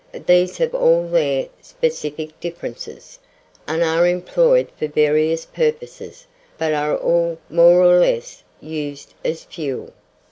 These have all their specific differences, and are employed for various purposes; but are all, more or less, used as fuel.